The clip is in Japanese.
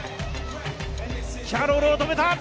キャロルを止めた！